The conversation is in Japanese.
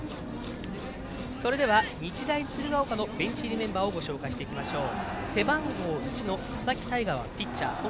それでは、日大鶴ヶ丘のベンチ入りメンバーをご紹介していきましょう。